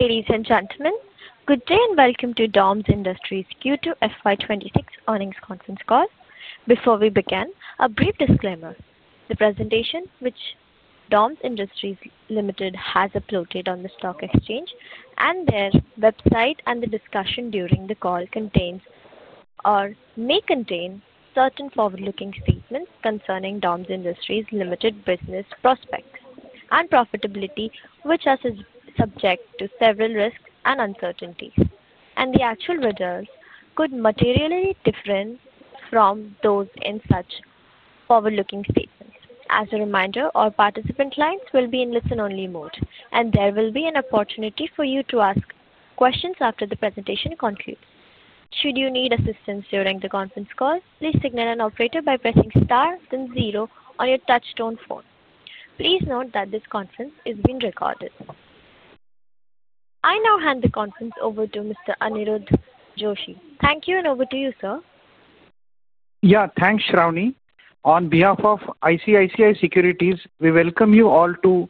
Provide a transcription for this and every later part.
Ladies and gentlemen, good day and welcome to DOMS Industries Q2 FY 2026 earnings conference call. Before we begin, a brief disclaimer. The presentation which DOMS Industries Limited has uploaded on the stock exchange and their website and the discussion during the call may contain certain forward-looking statements concerning DOMS Industries Limited's business prospects and profitability, which are subject to several risks and uncertainties. The actual results could materially differ from those in such forward-looking statements. As a reminder, all participant lines will be in listen-only mode, and there will be an opportunity for you to ask questions after the presentation concludes. Should you need assistance during the conference call, please signal an operator by pressing star then zero on your touchstone phone. Please note that this conference is being recorded. I now hand the conference over to Mr. Aniruddha Joshi. Thank you, and over to you, sir. Yeah, thanks, Shravani. On behalf of ICICI Securities, we welcome you all to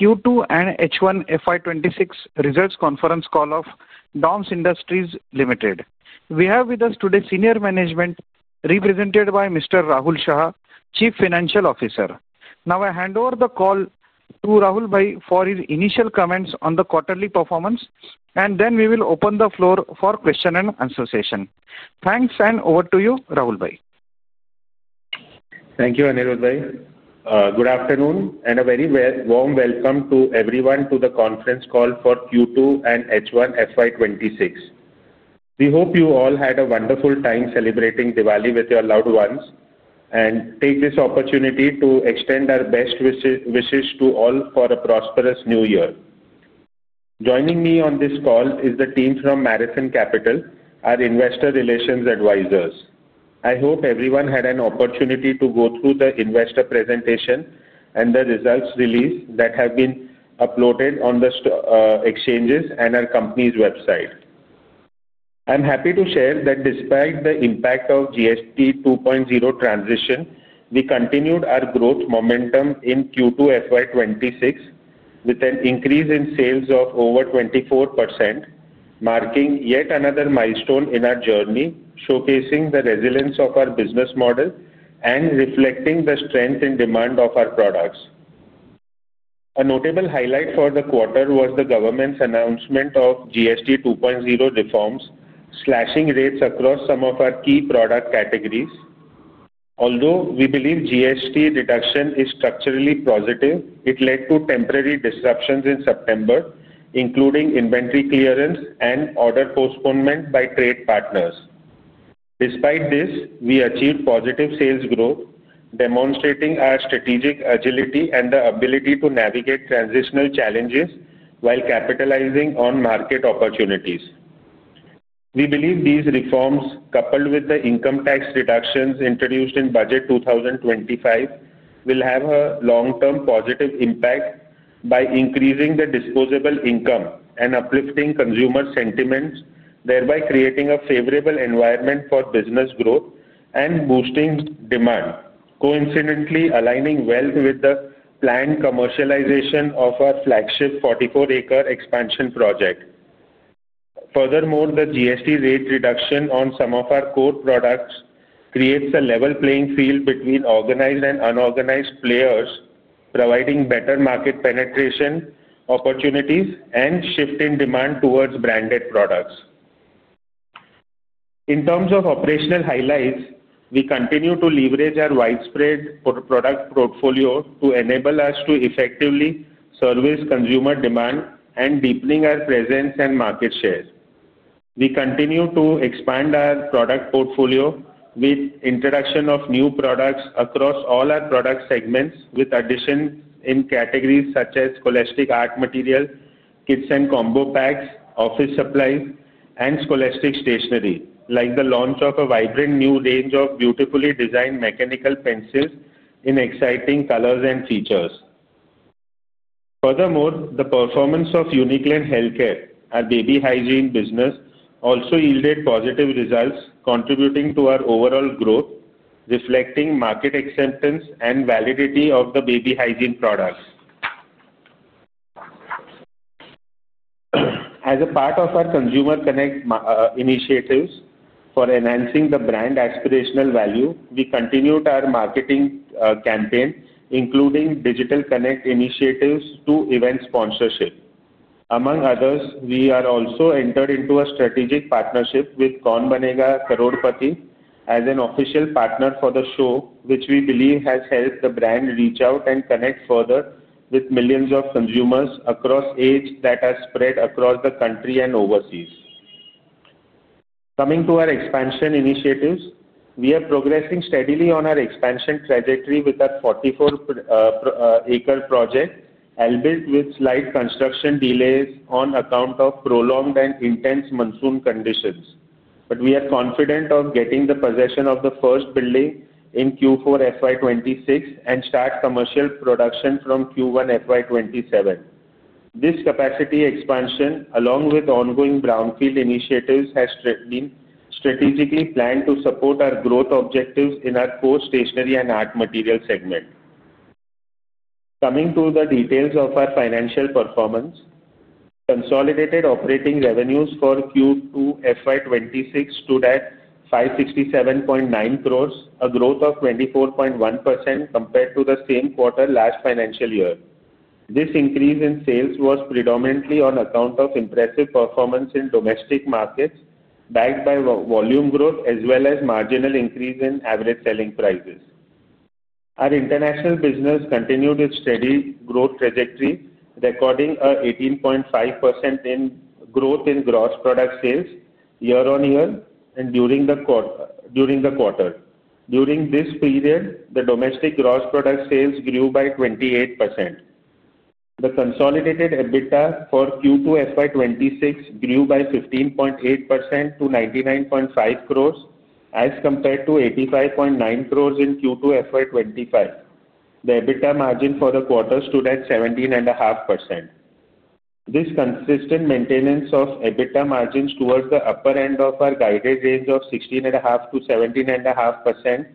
Q2 and H1 FY 2026 results conference call of DOMS Industries Limited. We have with us today senior management represented by Mr. Rahul Shah, Chief Financial Officer. Now, I hand over the call to Rahul for his initial comments on the quarterly performance, and then we will open the floor for question and answer session. Thanks, and over to you, Rahul. Thank you, Aniruddha. Good afternoon and a very warm welcome to everyone to the conference call for Q2 and H1 FY 2026. We hope you all had a wonderful time celebrating Diwali with your loved ones, and take this opportunity to extend our best wishes to all for a prosperous new year. Joining me on this call is the team from Marathon Capital, our investor relations advisors. I hope everyone had an opportunity to go through the investor presentation and the results release that have been uploaded on the exchanges and our company's website. I'm happy to share that despite the impact of GST 2.0 transition, we continued our growth momentum in Q2 FY 2026 with an increase in sales of over 24%, marking yet another milestone in our journey, showcasing the resilience of our business model and reflecting the strength and demand of our products. A notable highlight for the quarter was the government's announcement of GST 2.0 reforms, slashing rates across some of our key product categories. Although we believe GST reduction is structurally positive, it led to temporary disruptions in September, including inventory clearance and order postponement by trade partners. Despite this, we achieved positive sales growth, demonstrating our strategic agility and the ability to navigate transitional challenges while capitalizing on market opportunities. We believe these reforms, coupled with the income tax reductions introduced in Budget 2025, will have a long-term positive impact by increasing the disposable income and uplifting consumer sentiments, thereby creating a favorable environment for business growth and boosting demand. Coincidentally, aligning well with the planned commercialization of our flagship 44-acre expansion project. Furthermore, the GST rate reduction on some of our core products creates a level playing field between organized and unorganized players, providing better market penetration opportunities and shift in demand towards branded products. In terms of operational highlights, we continue to leverage our widespread product portfolio to enable us to effectively service consumer demand and deepen our presence and market share. We continue to expand our product portfolio with the introduction of new products across all our product segments, with additions in categories such as scholastic art material, kits and combo packs, office supplies, and scholastic stationery, like the launch of a vibrant new range of beautifully designed mechanical pencils in exciting colors and features. Furthermore, the performance of Uniclan Healthcare, our baby hygiene business, also yielded positive results, contributing to our overall growth, reflecting market acceptance and validity of the baby hygiene products. As a part of our Consumer Connect initiatives for enhancing the brand aspirational value, we continued our marketing campaign, including digital connect initiatives to event sponsorship. Among others, we have also entered into a strategic partnership with Kaun Banega Crorepati as an official partner for the show, which we believe has helped the brand reach out and connect further with millions of consumers across age that are spread across the country and overseas. Coming to our expansion initiatives, we are progressing steadily on our expansion trajectory with our 44-acre project, albeit with slight construction delays on account of prolonged and intense monsoon conditions. We are confident of getting the possession of the first building in Q4 FY 2026 and start commercial production from Q1 FY 2027. This capacity expansion, along with ongoing brownfield initiatives, has been strategically planned to support our growth objectives in our core stationery and art material segment. Coming to the details of our financial performance, consolidated operating revenues for Q2 FY 2026 stood at 567.9 crores, a growth of 24.1% compared to the same quarter last financial year. This increase in sales was predominantly on account of impressive performance in domestic markets, backed by volume growth as well as marginal increase in average selling prices. Our international business continued its steady growth trajectory, recording an 18.5% growth in gross product sales year-on-year and during the quarter. During this period, the domestic gross product sales grew by 28%. The consolidated EBITDA for Q2 FY 2026 grew by 15.8% to 99.5 crores as compared to 85.9 crores in Q2 FY 2025. The EBITDA margin for the quarter stood at 17.5%. This consistent maintenance of EBITDA margins towards the upper end of our guided range of 16.5%-17.5%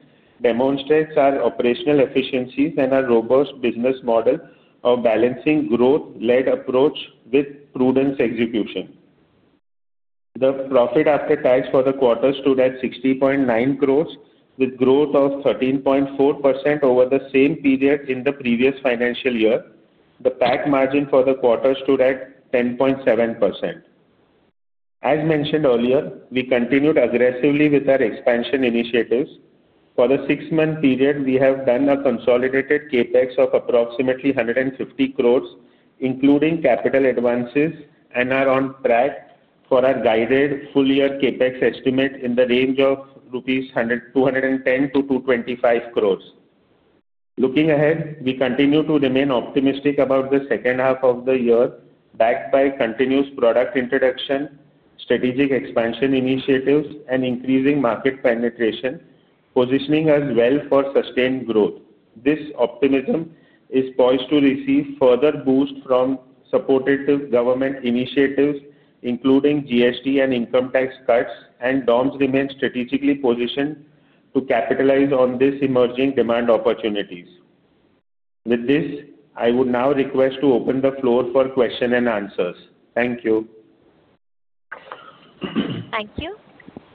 demonstrates our operational efficiencies and our robust business model of balancing growth-led approach with prudence execution. The profit after tax for the quarter stood at 60.9 crores, with growth of 13.4% over the same period in the previous financial year. The PAT margin for the quarter stood at 10.7%. As mentioned earlier, we continued aggressively with our expansion initiatives. For the six-month period, we have done a consolidated CapEx of approximately 150 crores, including capital advances, and are on track for our guided full-year CapEx estimate in the range of 210 crores-225 crores. Looking ahead, we continue to remain optimistic about the second half of the year, backed by continuous product introduction, strategic expansion initiatives, and increasing market penetration, positioning us well for sustained growth. This optimism is poised to receive further boost from supported government initiatives, including GST and income tax cuts, and DOMS remains strategically positioned to capitalize on these emerging demand opportunities. With this, I would now request to open the floor for questions and answers. Thank you. Thank you.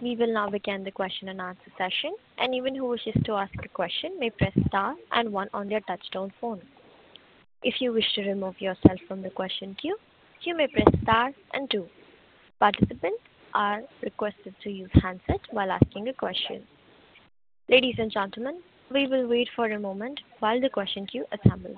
We will now begin the question and answer session. Anyone who wishes to ask a question may press star and one on their touchstone phone. If you wish to remove yourself from the question queue, you may press star and two. Participants are requested to use handset while asking a question. Ladies and gentlemen, we will wait for a moment while the question queue assembles.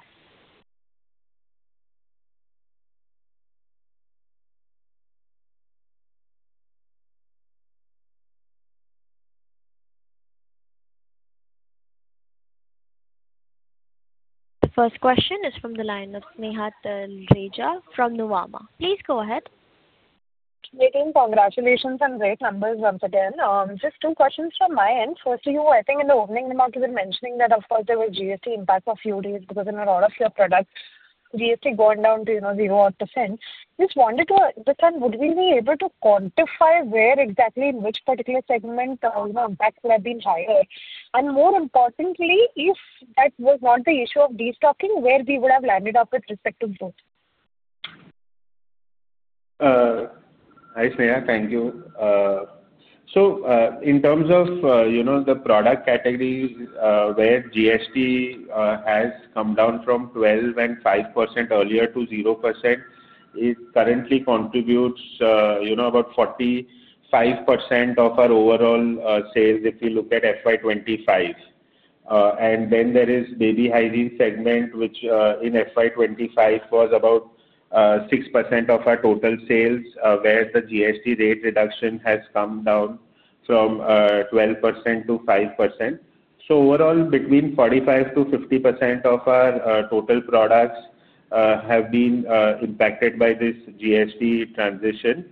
The first question is from the line of Sneha Talreja from Nuvama. Please go ahead. Good evening, congratulations and great numbers once again. Just two questions from my end. Firstly, I think in the opening remarks, you were mentioning that, of course, there was GST impact for a few days because in a lot of your products, GST going down to 0%. Just wanted to understand, would we be able to quantify where exactly in which particular segment impacts would have been higher? More importantly, if that was not the issue of destocking, where we would have landed up with respect to growth? Hi, Sneha. Thank you. In terms of the product categories where GST has come down from 12.5% earlier to 0%, it currently contributes about 45% of our overall sales if you look at FY 2025. Then there is the Baby Hygiene segment, which in FY 2025 was about 6% of our total sales, where the GST rate reduction has come down from 12% to 5%. Overall, between 45%-50% of our total products have been impacted by this GST transition.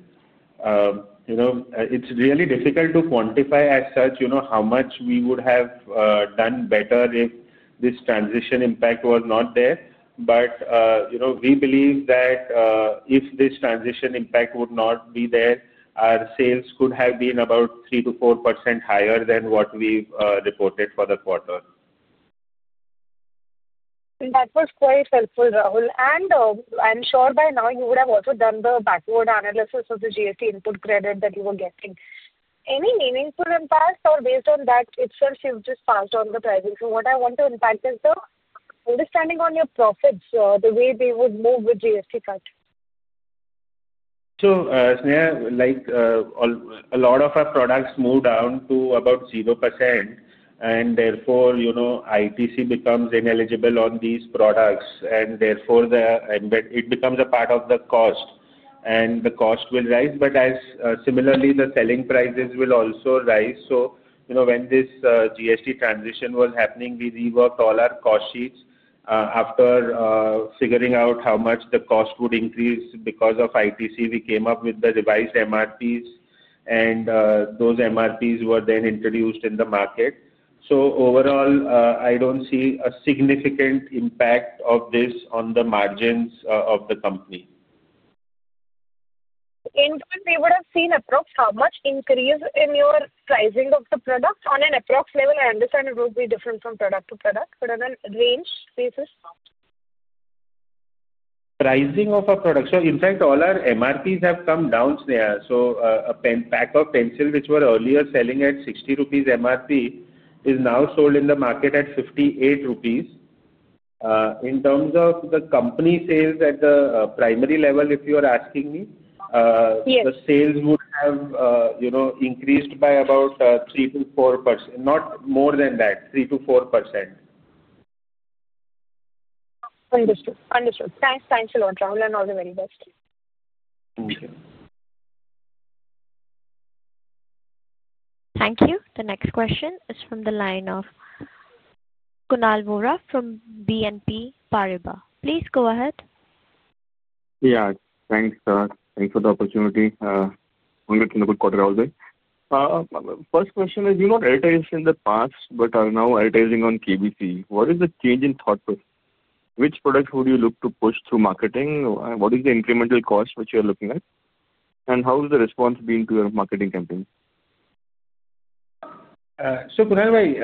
It's really difficult to quantify as such how much we would have done better if this transition impact was not there. We believe that if this transition impact would not be there, our sales could have been about 3%-4% higher than what we reported for the quarter. That was quite helpful, Rahul. I'm sure by now you would have also done the backward analysis of the GST input credit that you were getting. Any meaningful impact, or based on that itself, you've just passed on the prices? What I want to impact is the understanding on your profits, the way they would move with GST cut. Sneha, a lot of our products move down to about 0%, and therefore ITC becomes ineligible on these products, and therefore it becomes a part of the cost. The cost will rise, but similarly, the selling prices will also rise. When this GST transition was happening, we reworked all our cost sheets. After figuring out how much the cost would increase because of ITC, we came up with the revised MRPs, and those MRPs were then introduced in the market. Overall, I do not see a significant impact of this on the margins of the company. In fact, we would have seen approximately how much increase in your pricing of the product on an approximate level. I understand it will be different from product to product, but on a range basis? Pricing of our product. In fact, all our MRPs have come down, Sneha. A pack of pencils which were earlier selling at 60 rupees MRP is now sold in the market at 58 rupees. In terms of the company sales at the primary level, if you are asking me, the sales would have increased by about 3% to 4%, not more than that, 3% to 4%. Understood. Understood. Thanks a lot, Rahul, and all the very best. Thank you. The next question is from the line of Kunal Vora from BNP Paribas. Please go ahead. Yeah. Thanks, sir. Thanks for the opportunity. Congrats on the good quarter, Rahul. First question is, you've not advertised in the past, but are now advertising on KBC. What is the change in thought process? Which products would you look to push through marketing? What is the incremental cost which you are looking at? How has the response been to your marketing campaign? Kunal,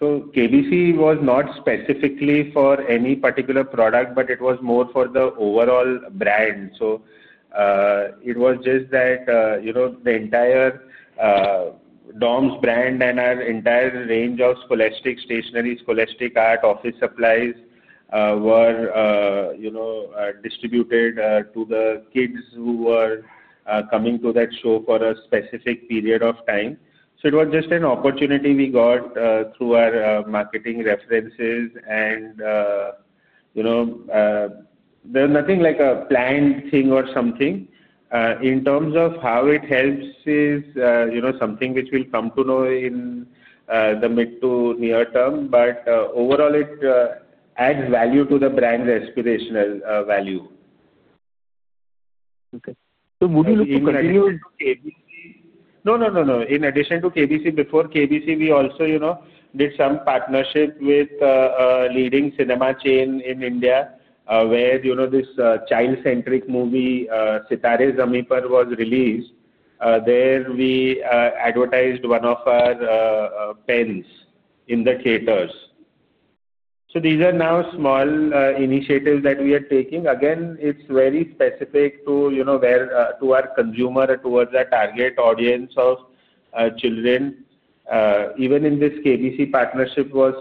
KBC was not specifically for any particular product, but it was more for the overall brand. It was just that the entire DOMS brand and our entire range of scholastic stationery, scholastic art, office supplies were distributed to the kids who were coming to that show for a specific period of time. It was just an opportunity we got through our marketing references, and there was nothing like a planned thing or something. In terms of how it helps is something which will come to know in the mid to near term, but overall, it adds value to the brand's aspirational value. Okay. So would you look to continue? No, in addition to KBC, before KBC, we also did some partnership with a leading cinema chain in India where this child-centric movie, Sitaare Zameen Par, was released. There we advertised one of our pens in the theaters. These are now small initiatives that we are taking. Again, it is very specific to our consumer, towards our target audience of children. Even in this KBC partnership, it was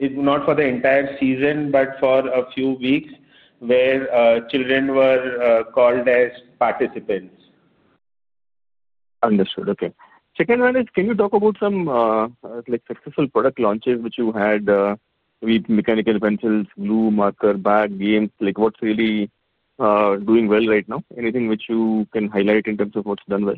not for the entire season, but for a few weeks where children were called as participants. Understood. Okay. Second one is, can you talk about some successful product launches which you had with mechanical pencils, glue, marker, bag, games? What's really doing well right now? Anything which you can highlight in terms of what's done well?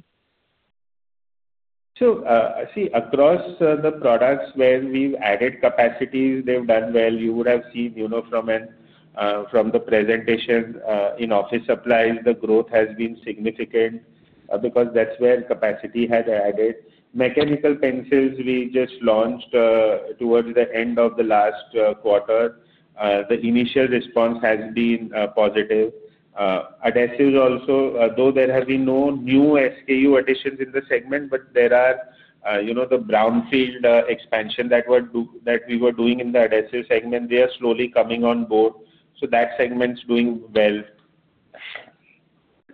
I see across the products where we've added capacities, they've done well. You would have seen from the presentation in office supplies, the growth has been significant because that's where capacity had added. Mechanical pencils, we just launched towards the end of the last quarter. The initial response has been positive. Adhesives also, though there have been no new SKU additions in the segment, but there are the brownfield expansion that we were doing in the adhesive segment. They are slowly coming on board. That segment's doing well.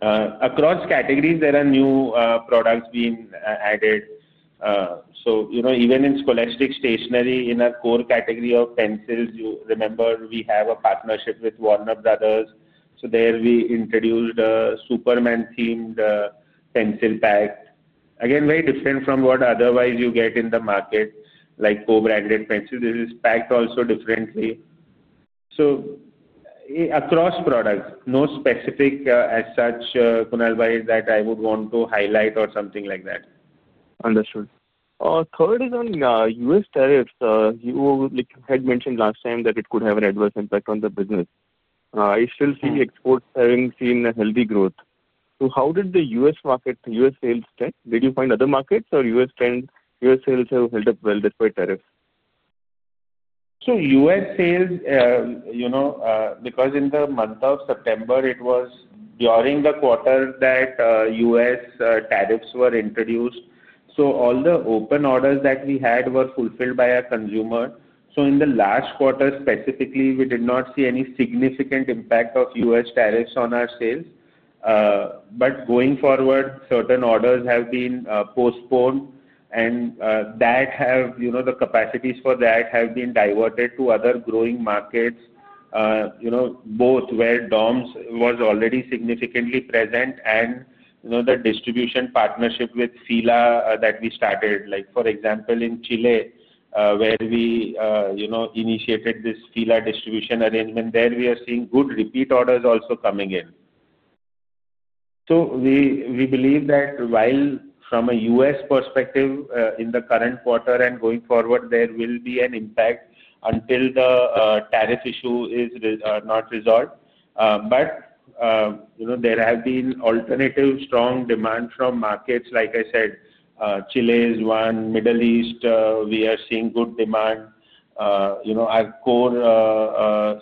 Across categories, there are new products being added. Even in scholastic stationery, in our core category of pencils, you remember we have a partnership with Warner Bros. There we introduced a Superman-themed pencil pack. Again, very different from what otherwise you get in the market, like co-branded pencils. This is packed also differently. Across products, no specific as such, Kunal, that I would want to highlight or something like that. Understood. Third is on U.S. tariffs. You had mentioned last time that it could have an adverse impact on the business. I still see the exports having seen a healthy growth. How did the U.S. market, U.S. sales stand? Did you find other markets or U.S. sales have held up well despite tariffs? U.S. sales, because in the month of September, it was during the quarter that U.S. tariffs were introduced. All the open orders that we had were fulfilled by our consumer. In the last quarter specifically, we did not see any significant impact of U.S. tariffs on our sales. Going forward, certain orders have been postponed, and the capacities for that have been diverted to other growing markets, both where DOMS was already significantly present and the distribution partnership with Fila that we started. For example, in Chile, where we initiated this Fila distribution arrangement, we are seeing good repeat orders also coming in. We believe that while from a U.S. perspective in the current quarter and going forward, there will be an impact until the tariff issue is not resolved. There have been alternative strong demand from markets, like I said, Chile is one, Middle East, we are seeing good demand. Our core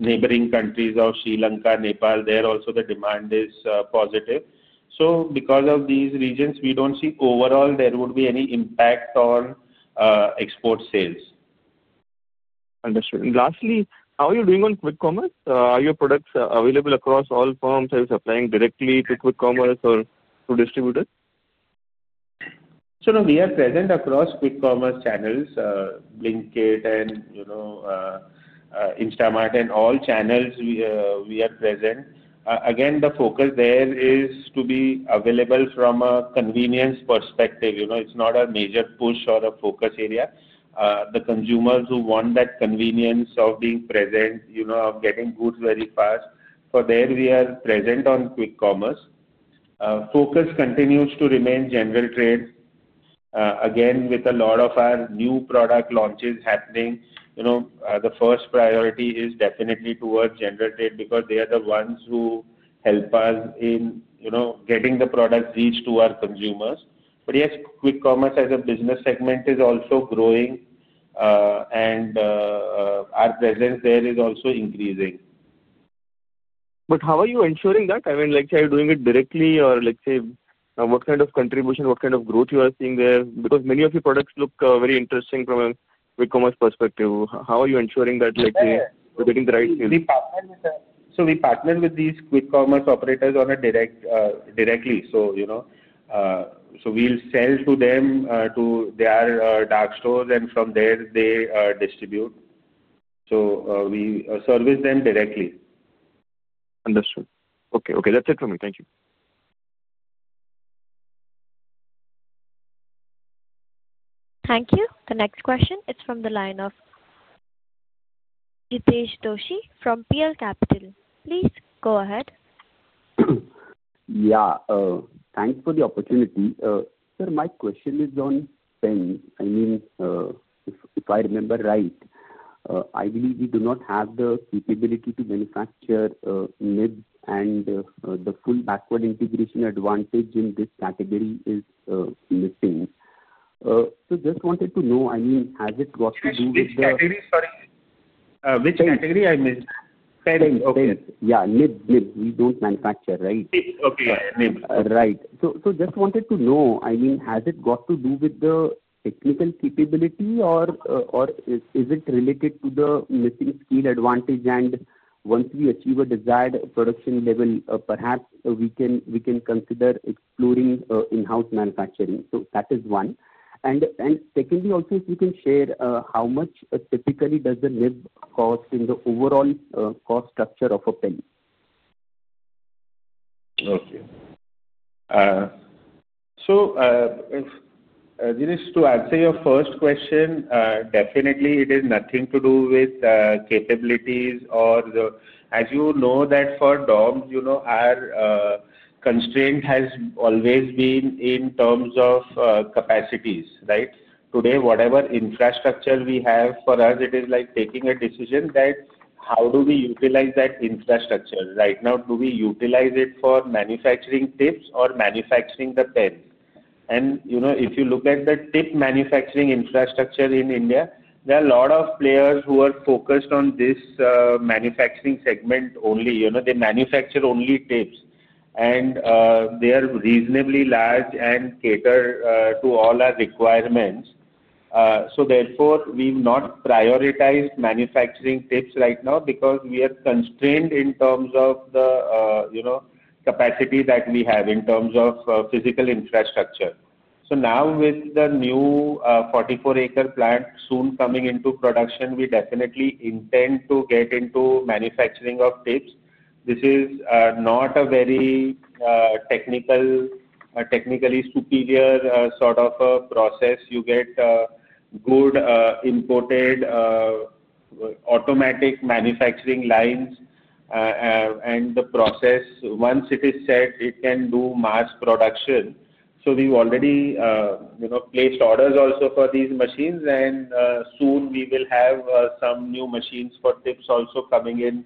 neighboring countries of Sri Lanka, Nepal, there also the demand is positive. Because of these regions, we do not see overall there would be any impact on export sales. Understood. Lastly, how are you doing on Quick Commerce? Are your products available across all firms? Are you supplying directly to Quick Commerce or to distributors? We are present across Quick Commerce channels, Blinkit and Instamart, and all channels we are present. Again, the focus there is to be available from a convenience perspective. It's not a major push or a focus area. The consumers who want that convenience of being present, of getting goods very fast, for there we are present on Quick Commerce. Focus continues to remain general trade. Again, with a lot of our new product launches happening, the first priority is definitely towards general trade because they are the ones who help us in getting the product reached to our consumers. Yes, Quick Commerce as a business segment is also growing, and our presence there is also increasing. How are you ensuring that? I mean, let's say you're doing it directly or let's say what kind of contribution, what kind of growth you are seeing there? Because many of your products look very interesting from a Quick Commerce perspective. How are you ensuring that you're getting the right sales? We partner with these Quick Commerce operators directly. We sell to their dark stores, and from there they distribute. We service them directly. Understood. Okay. Okay. That's it from me. Thank you. Thank you. The next question is from the line of Hitesh Doshi from PL Capital. Please go ahead. Yeah. Thanks for the opportunity. Sir, my question is on pens. I mean, if I remember right, I believe we do not have the capability to manufacture MIB, and the full backward integration advantage in this category is missing. So just wanted to know, I mean, has it got to do with the. Which category? Sorry, which category I missed? Pens. Okay. Yeah. MIB. MIB. We do not manufacture, right? Right. Just wanted to know, I mean, has it got to do with the technical capability, or is it related to the missing skill advantage? Once we achieve a desired production level, perhaps we can consider exploring in-house manufacturing. That is one. Secondly, also, if you can share how much typically does the MIB cost in the overall cost structure of a pen? Okay. Hitesh, to answer your first question, definitely it has nothing to do with capabilities. As you know, for DOMS, our constraint has always been in terms of capacities, right? Today, whatever infrastructure we have, for us, it is like taking a decision on how do we utilize that infrastructure. Right now, do we utilize it for manufacturing tips or manufacturing the pens? If you look at the tip manufacturing infrastructure in India, there are a lot of players who are focused on this manufacturing segment only. They manufacture only tips, and they are reasonably large and cater to all our requirements. Therefore, we've not prioritized manufacturing tips right now because we are constrained in terms of the capacity that we have in terms of physical infrastructure. Now, with the new 44-acre plant soon coming into production, we definitely intend to get into manufacturing of tips. This is not a very technically superior sort of a process. You get good imported automatic manufacturing lines, and the process, once it is set, can do mass production. We've already placed orders also for these machines, and soon we will have some new machines for tips also coming in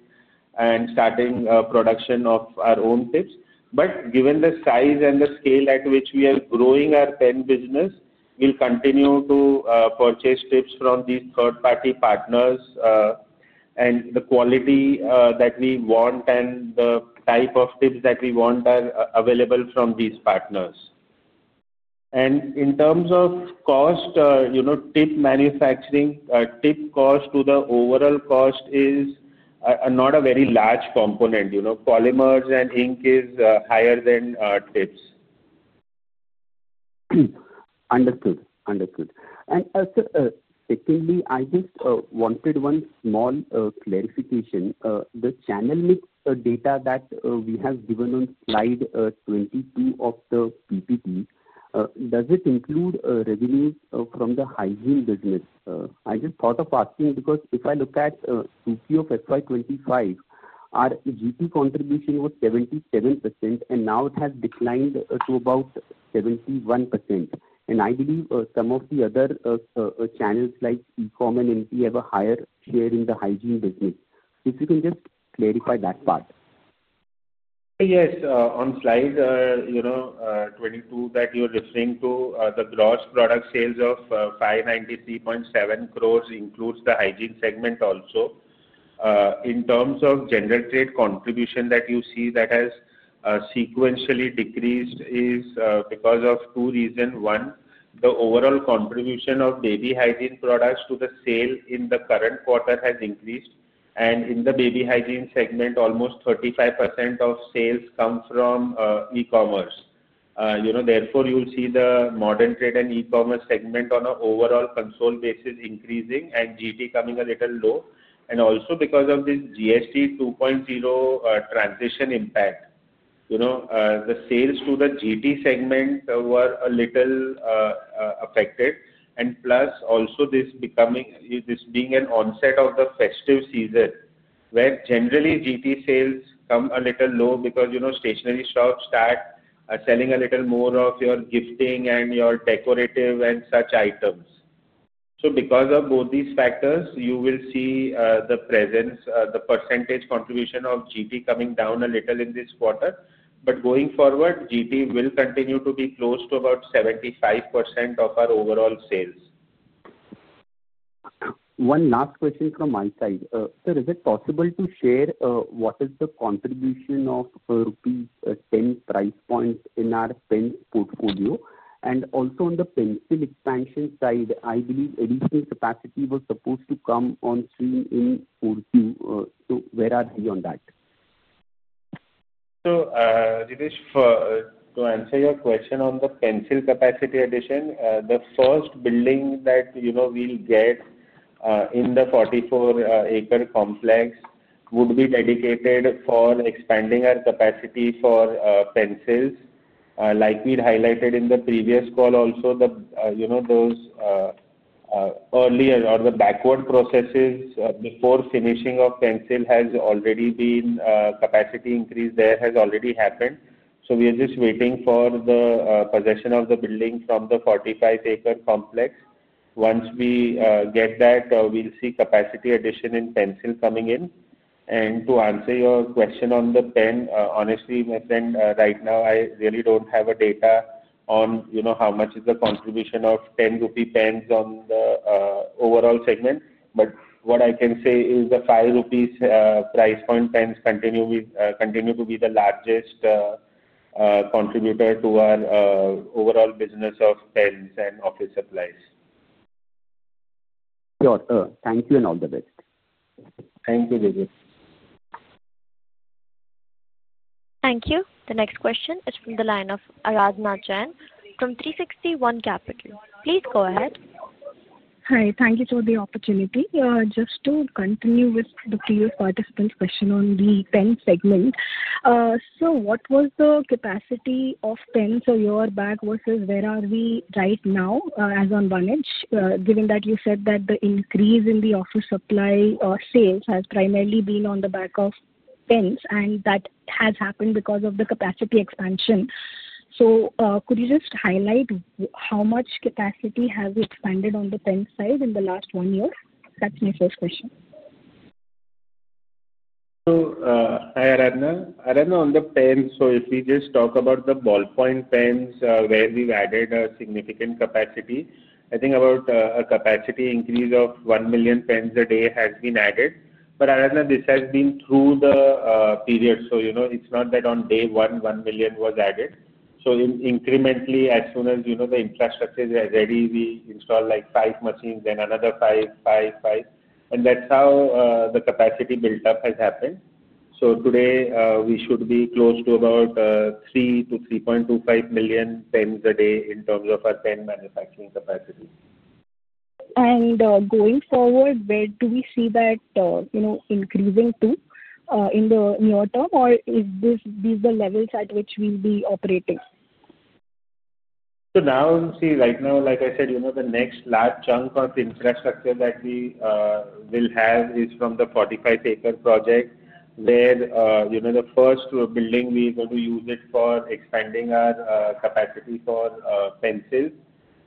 and starting production of our own tips. Given the size and the scale at which we are growing our pen business, we will continue to purchase tips from these third-party partners, and the quality that we want and the type of tips that we want are available from these partners. In terms of cost, tip manufacturing tip cost to the overall cost is not a very large component. Polymers and ink is higher than tips. Understood. Understood. Secondly, I just wanted one small clarification. The channel MIB data that we have given on slide 22 of the PPT, does it include revenues from the hygiene business? I just thought of asking because if I look at FY 2025, our GP contribution was 77%, and now it has declined to about 71%. I believe some of the other channels like e-com and MP have a higher share in the hygiene business. If you can just clarify that part. Yes. On slide 22 that you're referring to, the gross product sales of 593.7 crores includes the hygiene segment also. In terms of general trade contribution that you see that has sequentially decreased is because of two reasons. One, the overall contribution of baby hygiene products to the sale in the current quarter has increased, and in the baby hygiene segment, almost 35% of sales come from e-commerce. Therefore, you'll see the modern trade and e-commerce segment on an overall console basis increasing and GT coming a little low. Also because of this GST 2.0 transition impact, the sales to the GT segment were a little affected. Plus also this being an onset of the festive season where generally GT sales come a little low because stationery shops start selling a little more of your gifting and your decorative and such items. Because of both these factors, you will see the percentage contribution of GT coming down a little in this quarter. Going forward, GT will continue to be close to about 75% of our overall sales. One last question from my side. Sir, is it possible to share what is the contribution of rupees 10 price points in our pen portfolio? Also, on the pencil expansion side, I believe additional capacity was supposed to come on stream in Urdh. Where are we on that? Hitesh, to answer your question on the pencil capacity addition, the first building that we will get in the 44-acre complex would be dedicated for expanding our capacity for pencils. Like we had highlighted in the previous call, also those earlier or the backward processes before finishing of pencil has already been capacity increase there has already happened. We are just waiting for the possession of the building from the 44-acre complex. Once we get that, we will see capacity addition in pencil coming in. To answer your question on the pen, honestly, my friend, right now, I really do not have data on how much is the contribution of 10 rupee pens on the overall segment. What I can say is the 5 rupees price point pens continue to be the largest contributor to our overall business of pens and office supplies. Sure. Thank you and all the best. Thank you, Hitesh. Thank you. The next question is from the line of Rajna Chen from 360 ONE Capital. Please go ahead. Hi. Thank you for the opportunity. Just to continue with the previous participant's question on the pen segment, what was the capacity of pens a year back versus where are we right now as on one edge? Given that you said that the increase in the office supply sales has primarily been on the back of pens, and that has happened because of the capacity expansion. Could you just highlight how much capacity has expanded on the pen side in the last one year? That is my first question. I had on the pen. If we just talk about the ballpoint pens where we've added a significant capacity, I think about a capacity increase of 1 million pens a day has been added. I had on this has been through the period. It's not that on day one, 1 million was added. Incrementally, as soon as the infrastructure is ready, we install like five machines, then another five, five, five. That's how the capacity build-up has happened. Today, we should be close to about 3 million-3.25 million pens a day in terms of our pen manufacturing capacity. Going forward, where do we see that increasing to in the near term, or is this the level at which we'll be operating? Right now, like I said, the next large chunk of infrastructure that we will have is from the 45-acre project where the first building we are going to use for expanding our capacity for pencils.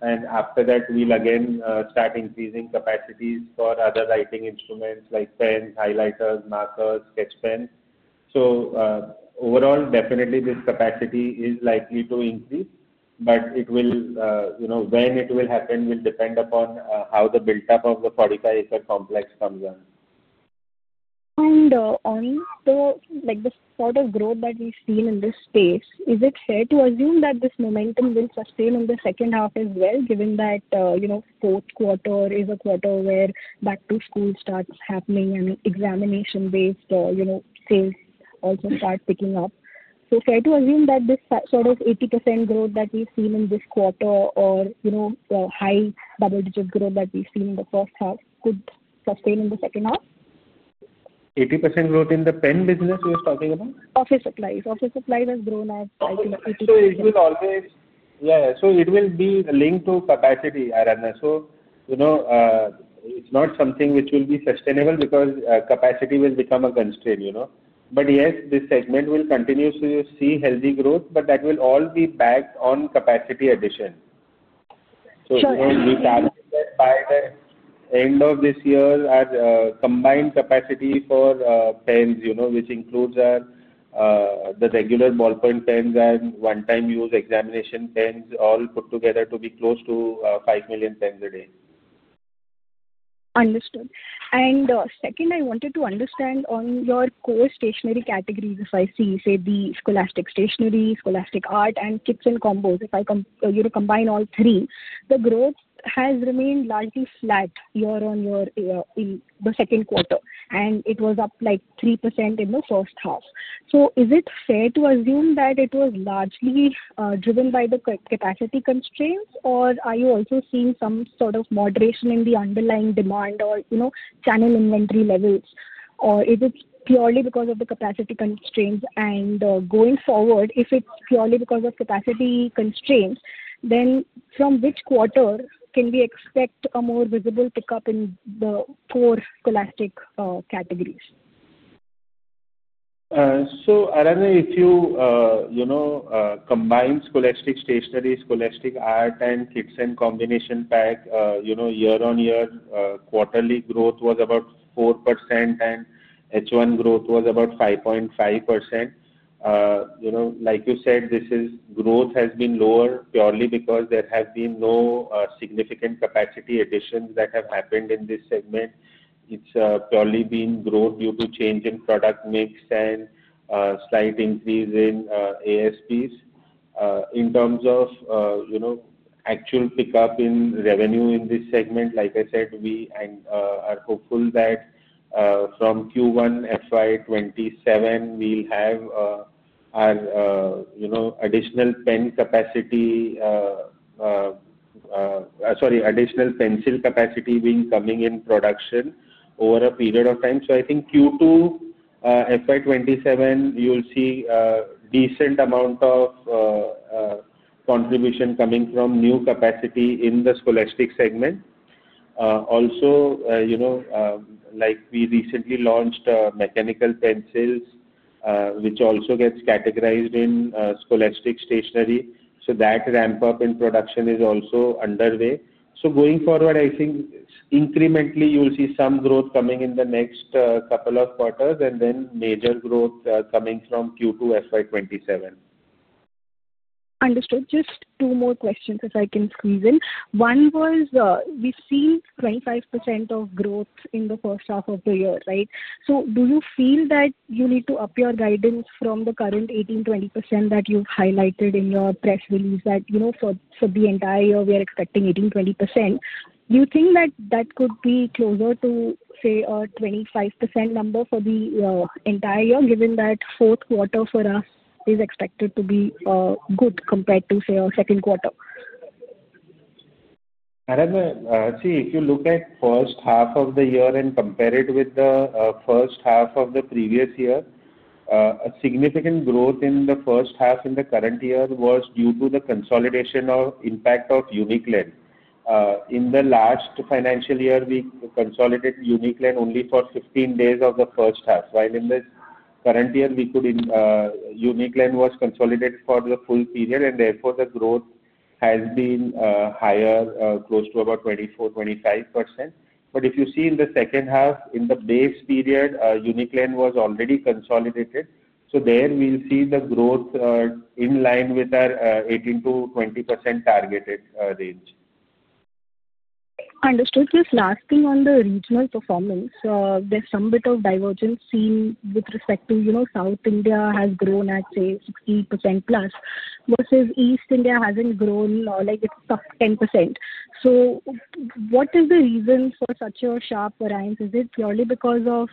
After that, we will again start increasing capacities for other writing instruments like pens, highlighters, markers, sketch pens. Overall, definitely, this capacity is likely to increase, but when it will happen will depend upon how the build-up of the 45-acre complex comes on. On the sort of growth that we've seen in this space, is it fair to assume that this momentum will sustain in the second half as well, given that fourth quarter is a quarter where back-to-school starts happening and examination-based sales also start picking up? Is it fair to assume that this sort of 80% growth that we've seen in this quarter or the high double-digit growth that we've seen in the first half could sustain in the second half? 80% growth in the pen business you're talking about? Office supplies. Office supplies have grown at 80%. It will always, yeah, it will be linked to capacity, Arana. It is not something which will be sustainable because capacity will become a constraint. Yes, this segment will continue to see healthy growth, but that will all be backed on capacity addition. We target that by the end of this year as combined capacity for pens, which includes the regular ballpoint pens and one-time-use examination pens, all put together to be close to 5 million pens a day. Understood. Second, I wanted to understand on your core stationery categories. If I see, say, the scholastic stationery, scholastic art, and kits and combos, if I combine all three, the growth has remained largely flat year-on-year in the second quarter, and it was up like 3% in the first half. Is it fair to assume that it was largely driven by the capacity constraints, or are you also seeing some sort of moderation in the underlying demand or channel inventory levels, or is it purely because of the capacity constraints? Going forward, if it is purely because of capacity constraints, from which quarter can we expect a more visible pickup in the core scholastic categories? So Arana, if you combine scholastic stationery, scholastic art, and kits and combination pack, year-on-year, quarterly growth was about 4%, and H1 growth was about 5.5%. Like you said, this growth has been lower purely because there have been no significant capacity additions that have happened in this segment. It's purely been growth due to change in product mix and slight increase in ASPs. In terms of actual pickup in revenue in this segment, like I said, we are hopeful that from Q1 FY 2027, we'll have our additional pen capacity, sorry, additional pencil capacity being coming in production over a period of time. I think Q2 FY 2027, you'll see a decent amount of contribution coming from new capacity in the scholastic segment. Also, like we recently launched mechanical pencils, which also gets categorized in scholastic stationery. That ramp-up in production is also underway. Going forward, I think incrementally, you'll see some growth coming in the next couple of quarters and then major growth coming from Q2 FY 2027. Understood. Just two more questions if I can squeeze in. One was we've seen 25% of growth in the first half of the year, right? Do you feel that you need to up your guidance from the current 18%-20% that you've highlighted in your press release that for the entire year, we are expecting 18%-20%? Do you think that that could be closer to, say, a 25% number for the entire year, given that fourth quarter for us is expected to be good compared to, say, our second quarter? Arana, see, if you look at first half of the year and compare it with the first half of the previous year, a significant growth in the first half in the current year was due to the consolidation of impact of Uniclan. In the last financial year, we consolidated Uniclan only for 15 days of the first half, while in the current year, Uniclan was consolidated for the full period, and therefore, the growth has been higher, close to about 24%-25%. If you see in the second half, in the base period, Uniclan was already consolidated. There we'll see the growth in line with our 18%-20% targeted range. Understood. Just last thing on the regional performance, there's some bit of divergence seen with respect to South India has grown at, say, 60% plus versus East India hasn't grown like it's sub 10%. What is the reason for such a sharp rise? Is it purely because of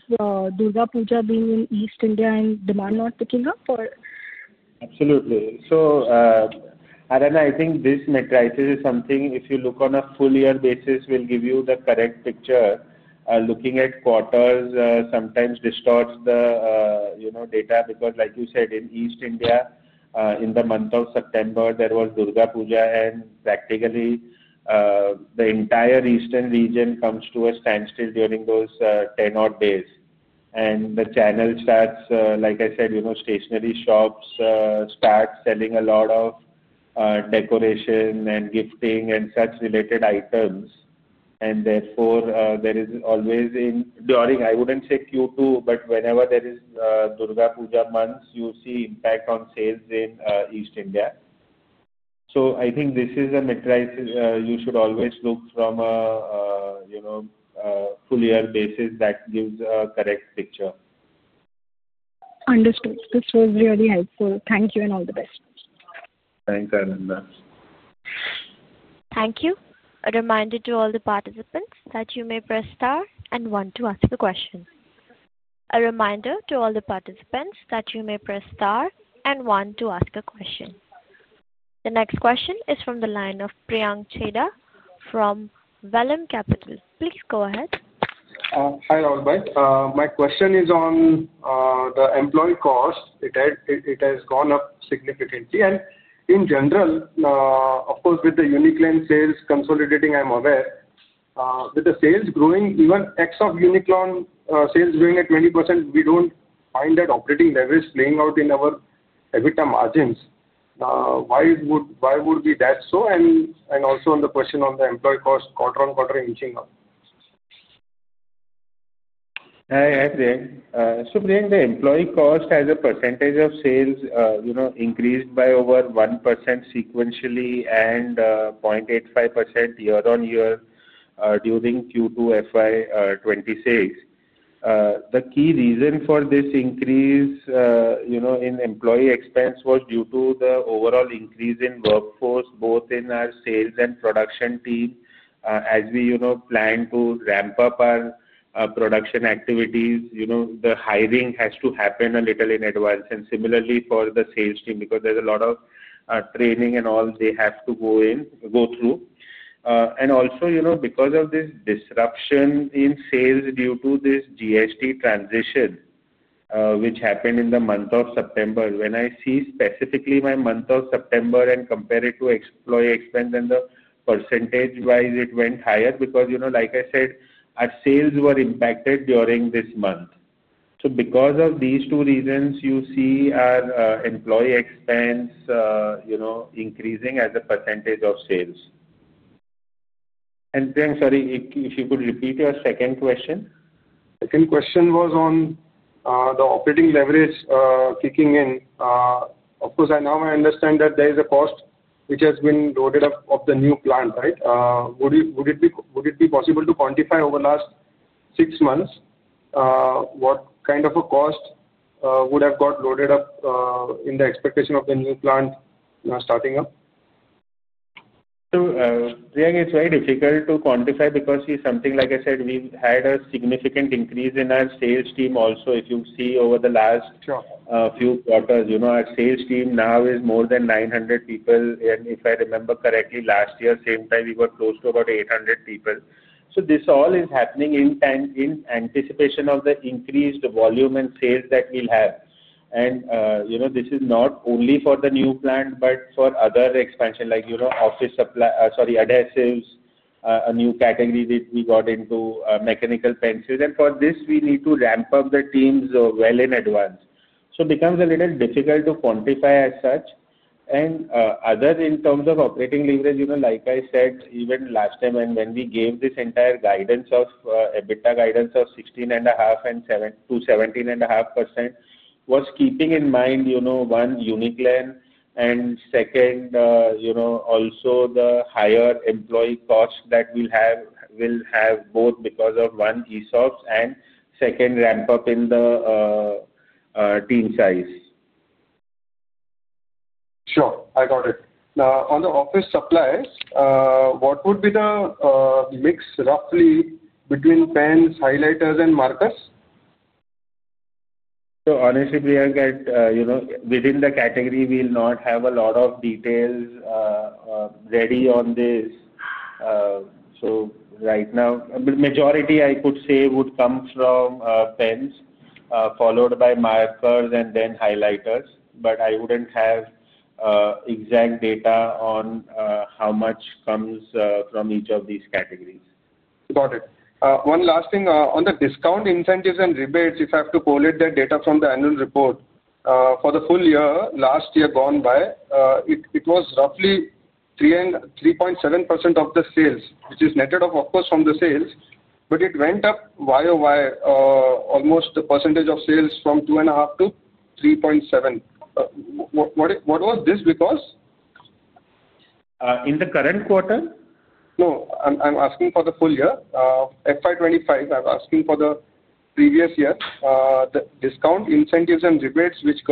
Durga Puja being in East India and demand not picking up, or? Absolutely. So Arana, I think this metric is something if you look on a full-year basis, will give you the correct picture. Looking at quarters sometimes distorts the data because, like you said, in East India, in the month of September, there was Durga Puja, and practically the entire Eastern region comes to a standstill during those 10-odd days. The channel starts, like I said, stationery shops start selling a lot of decoration and gifting and such related items. Therefore, there is always in during I would not say Q2, but whenever there is Durga Puja months, you see impact on sales in East India. I think this is a metric you should always look from a full-year basis that gives a correct picture. Understood. This was really helpful. Thank you and all the best. Thanks, Arana. Thank you. A reminder to all the participants that you may press star and one to ask a question. The next question is from the line of Priyank Chheda from Vellum Capital. Please go ahead. Hi Rahul. My question is on the employee cost. It has gone up significantly. In general, of course, with the Uniclan sales consolidating, I am aware, with the sales growing, even X of Uniclan sales growing at 20%, we do not find that operating leverage playing out in our EBITDA margins. Why would that be so? Also, on the question on the employee cost, quarter on quarter inching up. Hi, I'm Priyank. So Priyank, the employee cost as a percentage of sales increased by over 1% sequentially and 0.85% year-on-year during Q2 FY 2026. The key reason for this increase in employee expense was due to the overall increase in workforce, both in our sales and production team. As we plan to ramp up our production activities, the hiring has to happen a little in advance. Similarly for the sales team, because there's a lot of training and all they have to go through. Also because of this disruption in sales due to this GST transition, which happened in the month of September, when I see specifically my month of September and compare it to employee expense and the percentage-wise, it went higher because, like I said, our sales were impacted during this month. Because of these two reasons, you see our employee expense increasing as a percentage of sales. Priyank, sorry, if you could repeat your second question. Second question was on the operating leverage kicking in. Of course, I now understand that there is a cost which has been loaded up of the new plant, right? Would it be possible to quantify over the last six months what kind of a cost would have got loaded up in the expectation of the new plant starting up? Priyank, it's very difficult to quantify because something, like I said, we've had a significant increase in our sales team also. If you see over the last few quarters, our sales team now is more than 900 people. If I remember correctly, last year, same time, we were close to about 800 people. This all is happening in anticipation of the increased volume and sales that we'll have. This is not only for the new plant, but for other expansion like office supply, sorry, adhesives, a new category that we got into, mechanical pencils. For this, we need to ramp up the teams well in advance. It becomes a little difficult to quantify as such. Other in terms of operating leverage, like I said, even last time when we gave this entire guidance of EBITDA guidance of 16.5%-17.5% was keeping in mind one, Uniclan, and second, also the higher employee cost that we'll have both because of one, ESOPs, and second, ramp up in the team size. Sure. I got it. Now, on the office supplies, what would be the mix roughly between pens, highlighters, and markers? Honestly, Priyank, within the category, we'll not have a lot of details ready on this. Right now, majority, I could say, would come from pens, followed by markers, and then highlighters. I wouldn't have exact data on how much comes from each of these categories. Got it. One last thing. On the discount incentives and rebates, if I have to collate that data from the annual report, for the full year last year gone by, it was roughly 3.7% of the sales, which is netted off, of course, from the sales, but it went up year over year, almost the percentage of sales from 2.5% to 3.7%. What was this because? In the current quarter? No. I'm asking for the full year. FY 2025, I'm asking for the previous year. The discount incentives and rebates, which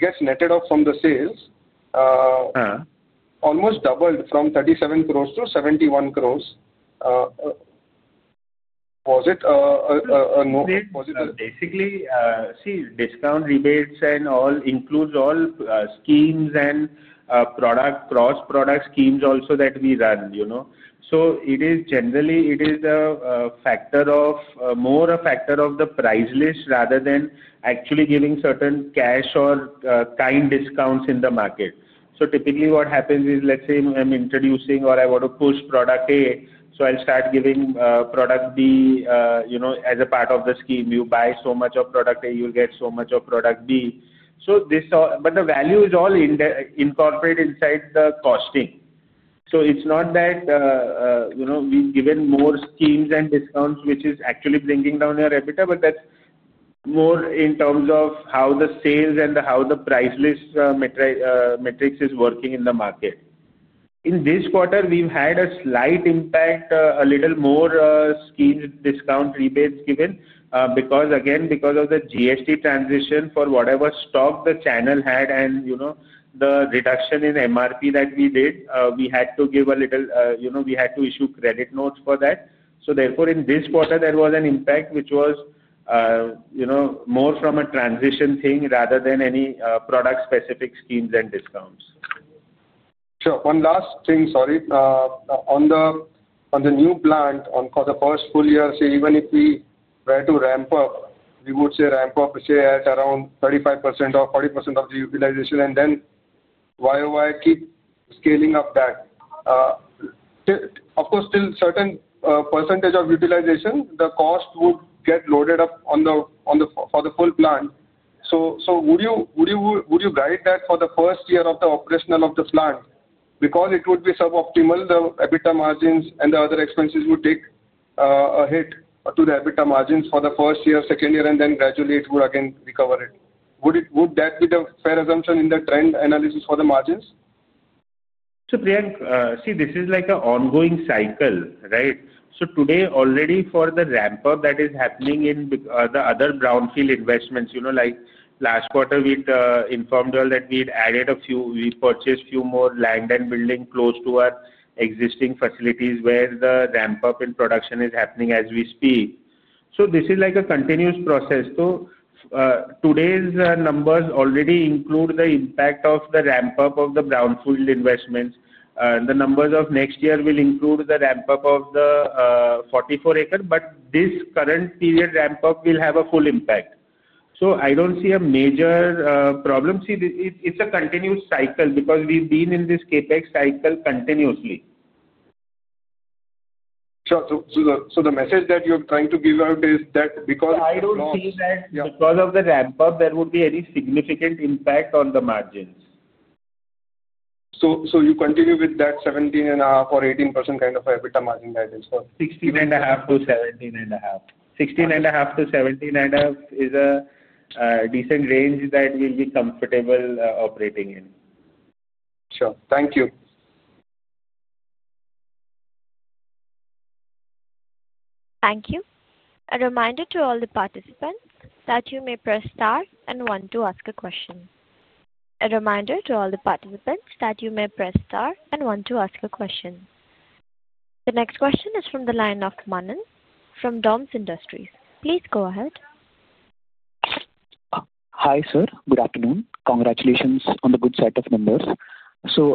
get netted off from the sales, almost doubled from 37 crores to 71 crores. Was it a no? Basically, see, discount rebates and all includes all schemes and cross-product schemes also that we run. Generally, it is more a factor of the price list rather than actually giving certain cash or kind discounts in the market. Typically, what happens is, let's say I'm introducing or I want to push product A, I'll start giving product B as a part of the scheme. You buy so much of product A, you'll get so much of product B. The value is all incorporated inside the costing. It's not that we've given more schemes and discounts, which is actually bringing down your EBITDA, that's more in terms of how the sales and how the price list metrics is working in the market. In this quarter, we've had a slight impact, a little more schemes, discount, rebates given because, again, because of the GST transition for whatever stock the channel had and the reduction in MRP that we did, we had to give a little, we had to issue credit notes for that. Therefore, in this quarter, there was an impact, which was more from a transition thing rather than any product-specific schemes and discounts. Sure. One last thing, sorry. On the new plant, for the first full year, say, even if we were to ramp up, we would say ramp up, say, at around 35% or 40% of the utilization, and then year over year keep scaling up that. Of course, still certain percentage of utilization, the cost would get loaded up for the full plant. Would you guide that for the first year of the operational of the plant? Because it would be suboptimal, the EBITDA margins and the other expenses would take a hit to the EBITDA margins for the first year, second year, and then gradually it would again recover it. Would that be the fair assumption in the trend analysis for the margins? Priyank, see, this is like an ongoing cycle, right? Today, already for the ramp-up that is happening in the other brownfield investments, like last quarter, we informed you all that we had added a few, we purchased few more land and building close to our existing facilities where the ramp-up in production is happening as we speak. This is like a continuous process. Today's numbers already include the impact of the ramp-up of the brownfield investments. The numbers of next year will include the ramp-up of the 44-acre, but this current period ramp-up will have a full impact. I do not see a major problem. See, it is a continuous cycle because we have been in this CapEx cycle continuously. Sure. The message that you're trying to give out is that because of. I don't see that because of the ramp-up, there would be any significant impact on the margins. You continue with that 17.5% or 18% kind of EBITDA margin guidance for. 16.5%-17.5%. 16.5%-17.5% is a decent range that we'll be comfortable operating in. Sure. Thank you. Thank you. A reminder to all the participants that you may press star and one to ask a question. The next question is from the line of Manan from DOMS Industries. Please go ahead. Hi sir. Good afternoon. Congratulations on the good set of numbers.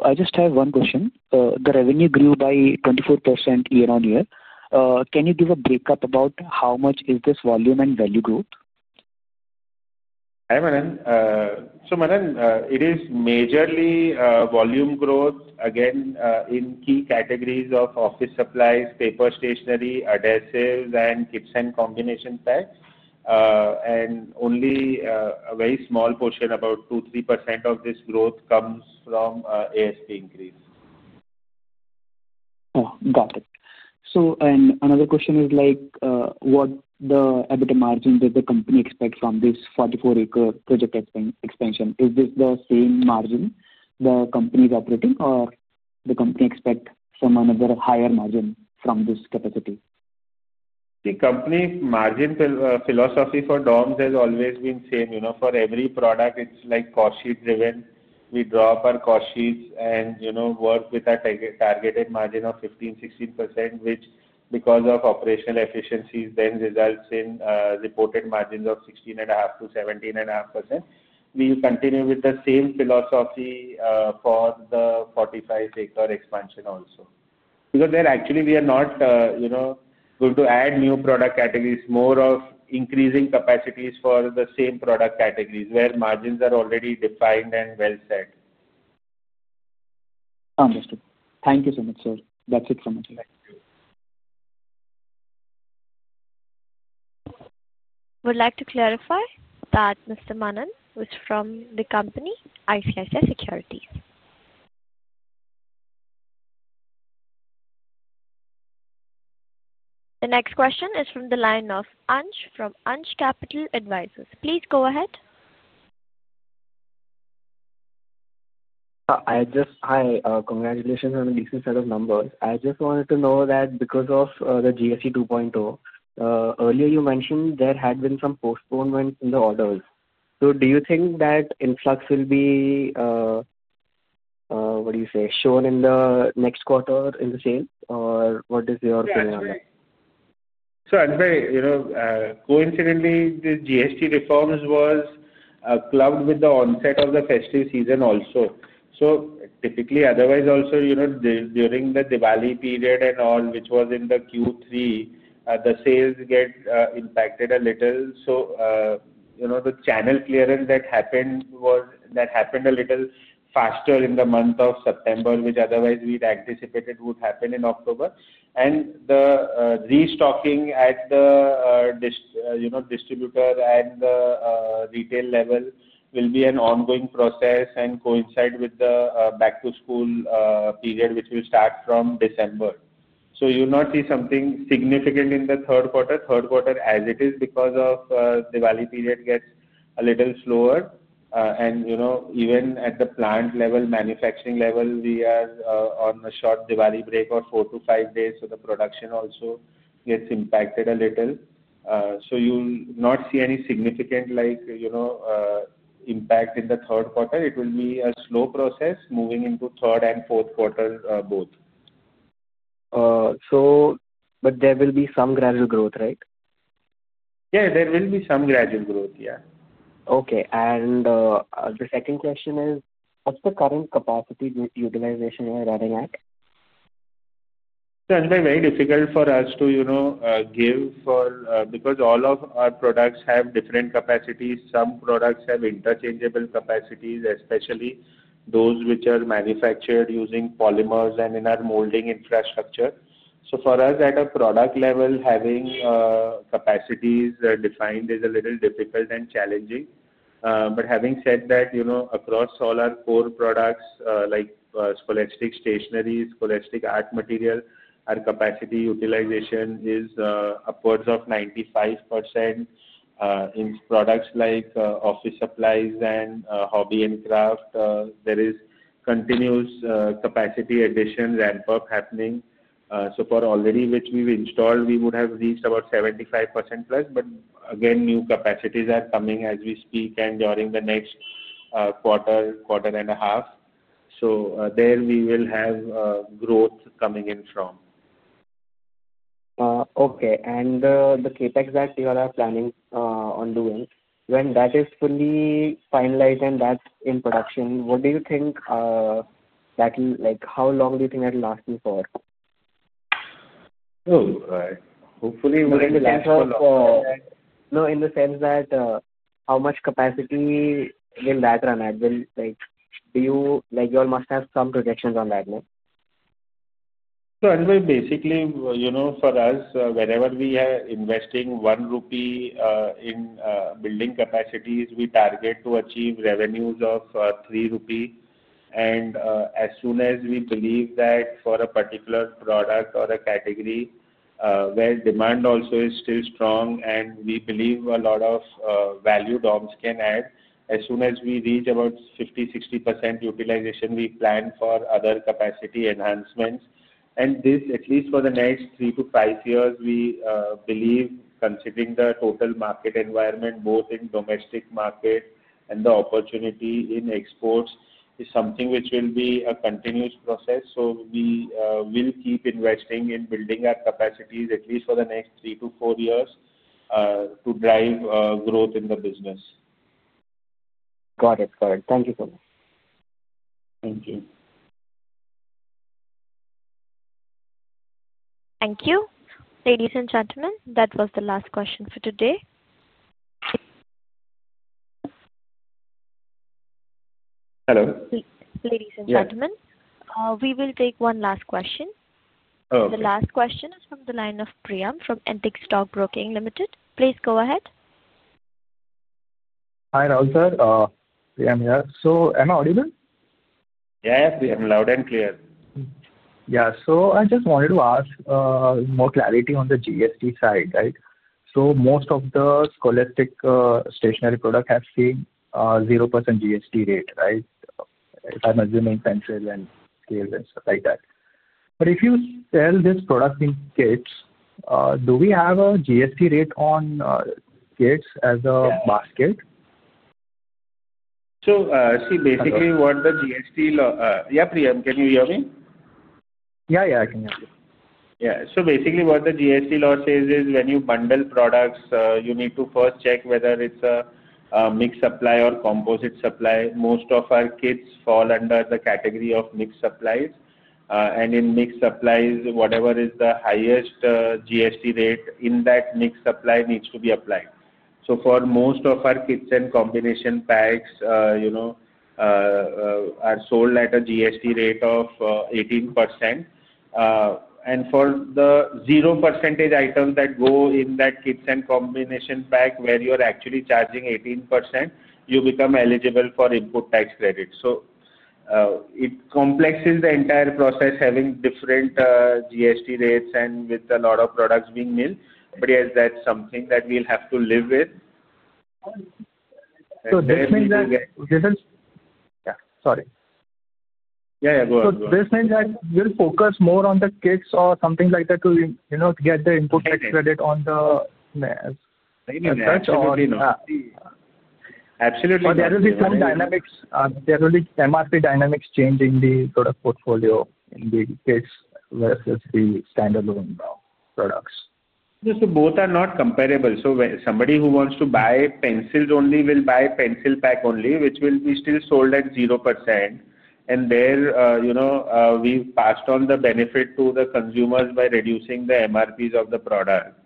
I just have one question. The revenue grew by 24% year-on-year. Can you give a breakup about how much is this volume and value growth? Hi Manan. Manan, it is majorly volume growth, again, in key categories of office supplies, paper stationery, adhesives, and kits and combination packs. Only a very small portion, about 2%-3% of this growth comes from ASP increase. Got it. Another question is, what EBITDA margin did the company expect from this 44-acre project expansion? Is this the same margin the company is operating, or does the company expect some other higher margin from this capacity? The company's margin philosophy for DOMS has always been same. For every product, it's like cost sheet driven. We drop our cost sheets and work with a targeted margin of 15%-16%, which, because of operational efficiencies, then results in reported margins of 16.5%-17.5%. We continue with the same philosophy for the 45-acre expansion also. Because there, actually, we are not going to add new product categories, more of increasing capacities for the same product categories where margins are already defined and well set. Understood. Thank you so much, sir. That's it from me. Thank you. Would like to clarify that Mr. Manan was from the company ICICI Securities. The next question is from the line of Anj from ANJ Capital Advisors. Please go ahead. Hi, congratulations on the decent set of numbers. I just wanted to know that because of the GST 2.0, earlier you mentioned there had been some postponement in the orders. Do you think that influx will be, what do you say, shown in the next quarter in the sales, or what is your opinion on that? Sir, coincidentally, the GST reforms was clubbed with the onset of the festive season also. Typically, otherwise, also during the Diwali period and all, which was in the Q3, the sales get impacted a little. The channel clearance that happened a little faster in the month of September, which otherwise we'd anticipated would happen in October. The restocking at the distributor and the retail level will be an ongoing process and coincide with the back-to-school period, which will start from December. You'll not see something significant in the third quarter. Third quarter, as it is, because of Diwali period, gets a little slower. Even at the plant level, manufacturing level, we are on a short Diwali break of four to five days, so the production also gets impacted a little. You'll not see any significant impact in the third quarter. It will be a slow process moving into third and fourth quarter both. There will be some gradual growth, right? Yeah, there will be some gradual growth, yeah. Okay. The second question is, what's the current capacity utilization you're running at? It's very difficult for us to give because all of our products have different capacities. Some products have interchangeable capacities, especially those which are manufactured using polymers and in our molding infrastructure. For us, at a product level, having capacities defined is a little difficult and challenging. Having said that, across all our core products like scholastic stationery, scholastic art material, our capacity utilization is upwards of 95%. In products like office supplies and hobby and craft, there is continuous capacity addition, ramp-up happening. For already which we've installed, we would have reached about 75% plus. Again, new capacities are coming as we speak and during the next quarter, quarter and a half. There we will have growth coming in from. Okay. The CapEx that you are planning on doing, when that is fully finalized and that's in production, what do you think that will, how long do you think that will last you for? Hopefully, within the last four. No, in the sense that how much capacity will that run at? Do you almost have some projections on that now? Basically, for us, whenever we are investing one rupee in building capacities, we target to achieve revenues of 3 rupee. As soon as we believe that for a particular product or a category where demand also is still strong and we believe a lot of value DOMS can add, as soon as we reach about 50%-60% utilization, we plan for other capacity enhancements. This, at least for the next three to five years, we believe, considering the total market environment, both in the domestic market and the opportunity in exports, is something which will be a continuous process. We will keep investing in building our capacities, at least for the next three to four years, to drive growth in the business. Got it. Got it. Thank you so much. Thank you. Thank you. Ladies and gentlemen, that was the last question for today. Hello? Ladies and gentlemen, we will take one last question. The last question is from the line of Priyamm from Antique Stock Broking Limited. Please go ahead. Hi Rahul sir. Priyam here. Am I audible? Yes, we are loud and clear. Yeah. So I just wanted to ask more clarity on the GST side, right? Most of the scholastic stationery products have seen 0% GST rate, right? If I'm assuming pencils and scales and stuff like that. If you sell this product in kits, do we have a GST rate on kits as a basket? See, basically, what the GST law—yeah, Priyam, can you hear me? Yeah, yeah. I can hear you. Yeah. So basically, what the GST law says is when you bundle products, you need to first check whether it's a mixed supply or composite supply. Most of our kits fall under the category of mixed supplies. In mixed supplies, whatever is the highest GST rate in that mixed supply needs to be applied. For most of our kits and combination packs, they are sold at a GST rate of 18%. For the 0% items that go in that kits and combination pack where you're actually charging 18%, you become eligible for input tax credit. It complexes the entire process, having different GST rates and with a lot of products being milled. Yes, that's something that we'll have to live with. This means that. This is. Yeah. Sorry. Yeah, yeah. Go ahead. This means that we'll focus more on the kits or something like that to get the input tax credit on the. Maybe not. Absolutely. There will be some dynamics. There will be MRP dynamics changing the product portfolio in the kits versus the standalone products. Both are not comparable. Somebody who wants to buy pencils only will buy pencil pack only, which will be still sold at 0%. There we've passed on the benefit to the consumers by reducing the MRPs of the product.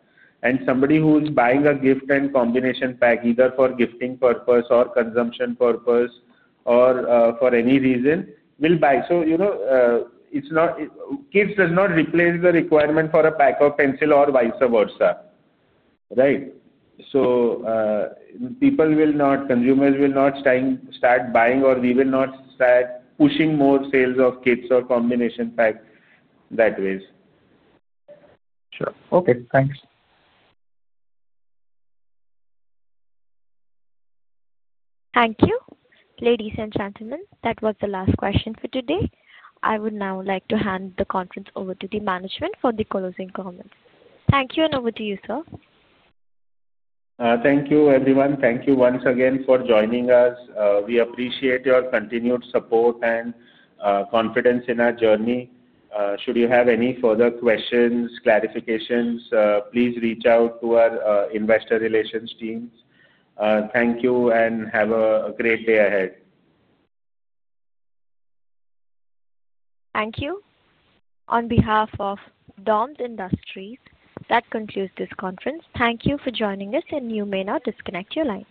Somebody who's buying a gift and combination pack, either for gifting purpose or consumption purpose or for any reason, will buy. Kits does not replace the requirement for a pack of pencil or vice versa, right? People will not, consumers will not start buying or we will not start pushing more sales of kits or combination packs that way. Sure. Okay. Thanks. Thank you. Ladies and gentlemen, that was the last question for today. I would now like to hand the conference over to the management for the closing comments. Thank you. Over to you, sir. Thank you, everyone. Thank you once again for joining us. We appreciate your continued support and confidence in our journey. Should you have any further questions, clarifications, please reach out to our investor relations team. Thank you and have a great day ahead. Thank you. On behalf of DOMS Industries, that concludes this conference. Thank you for joining us, and you may now disconnect your line.